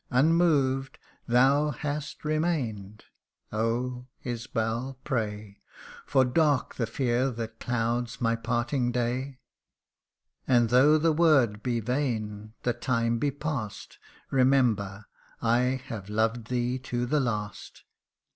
Unmoved thou hast remained Oh, Isbal, pray ; For dark the fear that clouds my parting day. And though the word be vain the time be pass'd, Remember I have loved thee to the last